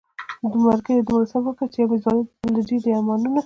مرګيه دومره صبر وکړه يو مې ځواني ده بل مې ډېر دي ارمانونه